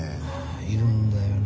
いるんだよな